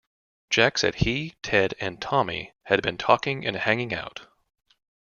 Jack said he, Ted, and Tommy had been talking and hanging out.